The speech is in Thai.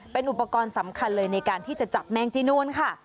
เป็นอุปกรณ์สำคัญเลยในการที่จะจับแมงจีนูนค่ะ